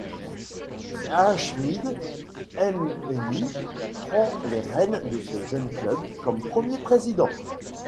H'mid M'henni prend les rênes de ce jeune club comme premier président.